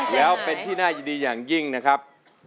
แล้วเป็นที่น่ายินดีอย่างยิ่งนะครับ